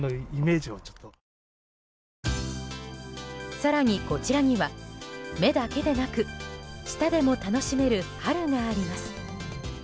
更に、こちらには目だけでなく舌でも楽しめる春があります。